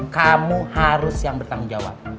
kamu harus yang bertanggung jawab